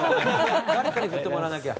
誰かに振ってもらわなきゃ。